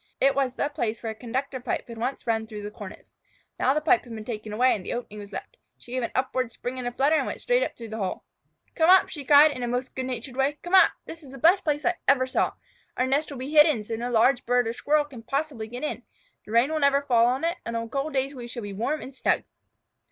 It was the place where a conductor pipe had once run through the cornice. Now the pipe had been taken away and the opening was left. She gave an upward spring and flutter and went straight up through the hole. "Come up!" she cried in the most good natured way. "Come up! This is the best place I ever saw. Our nest will be all hidden, and no large bird or Squirrel can possibly get in. The rain can never fall on it, and on cold days we shall be warm and snug."